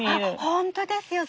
本当ですよ